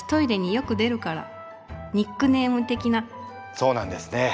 そうなんですね。